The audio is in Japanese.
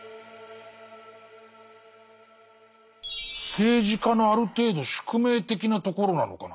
政治家のある程度宿命的なところなのかな。